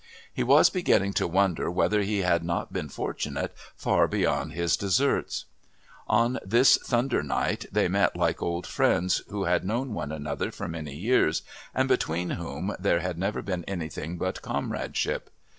He was beginning to wonder whether he had not been fortunate far beyond his deserts.... On this thunder night they met like old friends who had known one another for many years and between whom there had never been anything but comradeship.